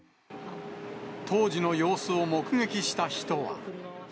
当時の様子を目撃した人は。